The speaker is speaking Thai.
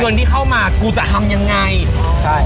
เงินที่เข้ามากูจะทำยังไงใช่